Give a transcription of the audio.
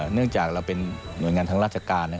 เนื่องจากเราเป็นหน่วยงานทางราชการ